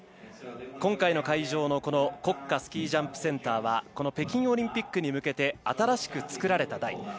今回の会場の国家スキージャンプセンターは北京オリンピックに向けて新しく造られた台。